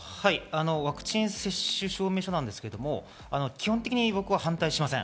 ワクチン接種証明書なんですけど、基本的に僕は反対しません。